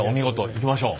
いきましょう。